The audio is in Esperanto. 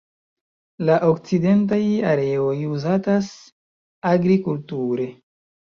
La okcidentaj areoj uzatas agrikulture.